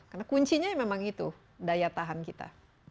karena kuncinya memang itu daya tahan kita